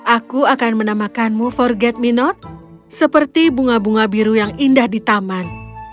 aku akan menamakanmu forget me not seperti bunga bunga biru yang indah di taman